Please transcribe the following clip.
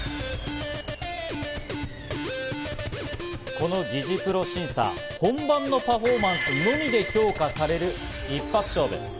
この擬似プロ審査、本番のパフォーマンスのみで評価される一発勝負。